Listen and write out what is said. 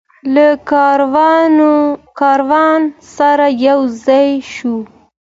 له کاروان سره یوځای شو.